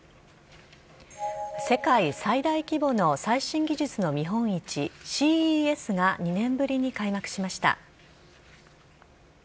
世界最大規模の最新技術の見本市・ＣＥＳが２年ぶりに開幕しました。